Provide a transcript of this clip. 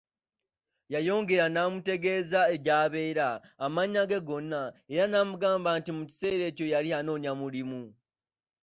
Yayongera n'amutegeeza gy'abeera, amannya ge gonna, era n'amugamba nti mu kiseera ekyo yali anoonya mulimu.